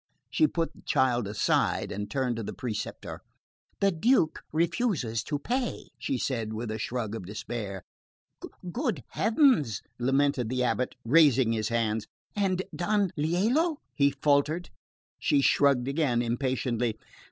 She put the child aside and turned to the preceptor. "The Duke refuses to pay," she said with a shrug of despair. "Good heavens!" lamented the abate, raising his hands. "And Don Lelio?" he faltered. She shrugged again, impatiently.